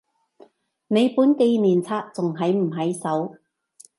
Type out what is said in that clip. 你本紀念冊仲喺唔喺手？